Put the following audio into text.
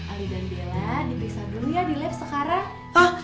ali dan bella dipeksa dulu ya di lab sekarang